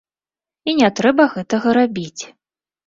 І не трэба гэтага рабіць.